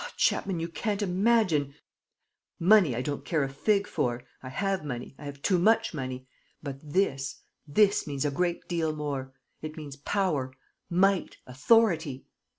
... Ah, Chapman, you can't imagine. ... Money I don't care a fig for: I have money, I have too much money. ... But this, this means a great deal more; it means power, might, authority.